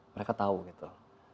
mereka tahu gitu